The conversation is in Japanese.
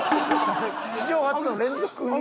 史上初の連続産み。